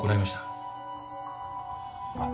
あっ。